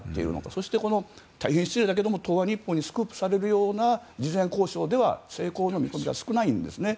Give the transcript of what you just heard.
そして、大変失礼だけれど東亜日報にスクープされるような事前交渉では成功の見込みは少ないんですね。